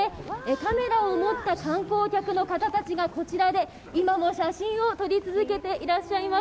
カメラを持った観光客の方たちがこちらで今も写真を撮り続けていらっしゃいます。